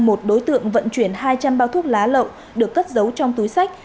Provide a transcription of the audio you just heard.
một đối tượng vận chuyển hai trăm linh bao thuốc lá lậu được cất giấu trong túi sách